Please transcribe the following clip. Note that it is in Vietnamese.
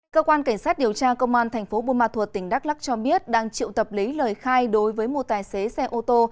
cơ quan cảnh sát điều tra công an tp bumatua tỉnh đắk lắc cho biết đang triệu tập lấy lời khai đối với một tài xế xe ô tô